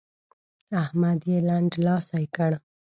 احمد يې لنډلاسی کړ.